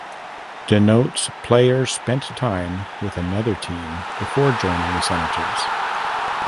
Denotes player spent time with another team before joining the Senators.